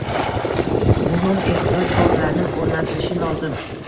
Muhim ehtiyot choralari oʻrnatilishi lozim